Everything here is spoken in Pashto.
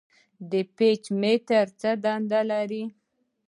د پي ایچ متر څه دنده لري.